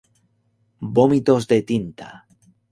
Vómitos de tinta.